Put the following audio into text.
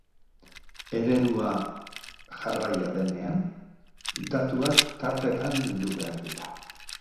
Eredua jarraia denean, datuak tartetan bildu behar dira.